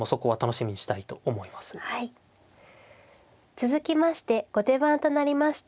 続きまして後手番となりました